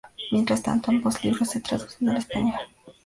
Mientras tanto, ambos libros se traducen al español.